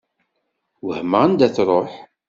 Wehmeɣ anda tṛuḥ.